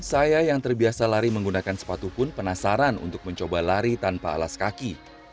saya yang terbiasa lari menggunakan sepatu pun penasaran untuk mencoba lari tanpa alas kaki